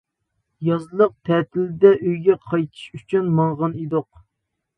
يازلىق تەتىلدە ئۆيگە قايتىش ئۈچۈن ماڭغان ئىدۇق.